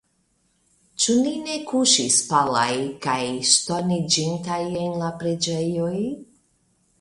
Ĉu ni ne kuŝis palaj kaj ŝtoniĝintaj en la preĝejoj ?